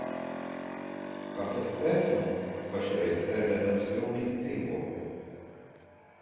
Kas es esmu pašreiz sēdēdams Vilmiņas dzīvoklī?